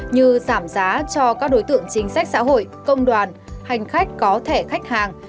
như giảm giá cho các đối tượng chính sách xã hội công đoàn hành khách có thẻ khách hàng